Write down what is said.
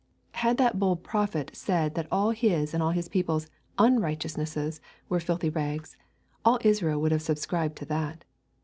Had that bold prophet said that all his and all his people's _un_righteousnesses were filthy rags, all Israel would have subscribed to that.